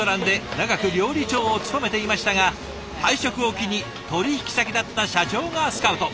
長く料理長を務めていましたが退職を機に取引先だった社長がスカウト。